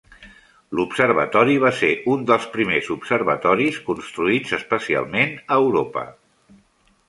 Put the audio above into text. L'observatori va ser un dels primers observatoris construïts especialment a Europa.